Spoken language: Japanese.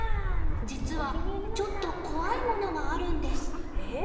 実はちょっと怖いものがあるんです。